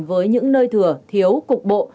với những nơi thừa thiếu cục bộ